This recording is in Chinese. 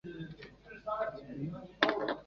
黄光裕现羁押于北京市第二监狱。